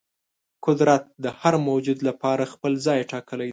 قدرت د هر موجود لپاره خپل ځای ټاکلی دی.